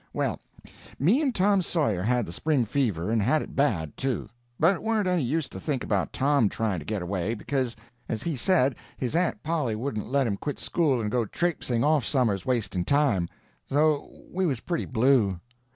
Well, me and Tom Sawyer had the spring fever, and had it bad, too; but it warn't any use to think about Tom trying to get away, because, as he said, his Aunt Polly wouldn't let him quit school and go traipsing off somers wasting time; so we was pretty blue.